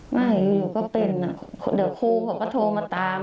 ไม่อยู่ก็เป็นอ่ะเดี๋ยวครูเขาก็โทรมาตาม